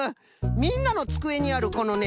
みんなのつくえにあるこのね